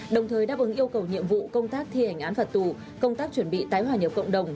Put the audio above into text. đồng thời đáp ứng yêu cầu nhiệm vụ công tác thi hành án phạt tù công tác chuẩn bị tái hòa nhập cộng đồng